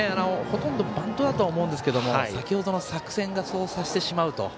ほとんどバントだとは思いますが先程の作戦がそうさせてしまうと。